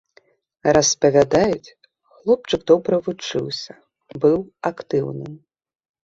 Распавядаюць, хлопчык добра вучыўся, быў актыўным.